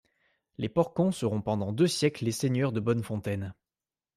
Les Porcon seront pendant deux siècles les seigneurs de Bonnefontaine.